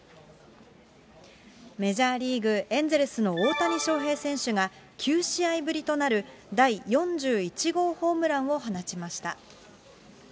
メジャーリーグ・エンゼルスの大谷翔平選手が、９試合ぶりとなる第４１号ホームランを放ちました。